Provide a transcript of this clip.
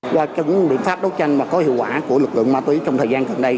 do những miệng pháp đấu tranh có hiệu quả của lực lượng ma túy trong thời gian gần đây